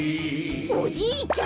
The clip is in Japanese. おじいちゃん